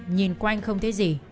nhìn quanh không thấy gì